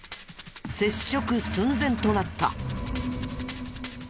接触寸前となった。